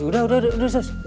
udah udah udah sus